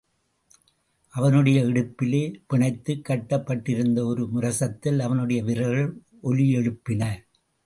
அவனுடைய இடுப்பிலே பிணைத்துக் கட்டப் பட்டிருந்த ஒரு முரசத்தில் அவனுடைய விரல்கள் ஒலியெழுப்பின.